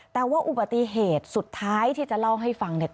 แต่ว่าอุบัติเหตุสุดท้ายที่จะเล่าให้ฟังเนี่ย